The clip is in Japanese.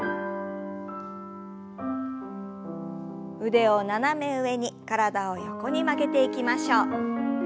腕を斜め上に体を横に曲げていきましょう。